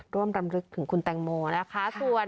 ร่วมรำรึกถึงคุณตามูลนะคะ